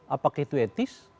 apakah itu etis